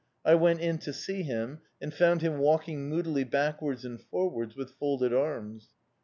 I went in to see him, and found him walking moodily backwards and forwards with folded arms.